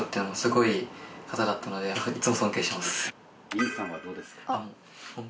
麟さんはどうですか？